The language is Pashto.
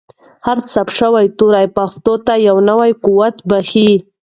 هر ثبت شوی توری پښتو ته یو نوی قوت بښي.